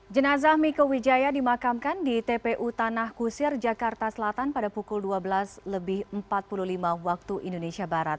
jenazah mika wijaya dimakamkan di tpu tanah kusir jakarta selatan pada pukul dua belas empat puluh lima wib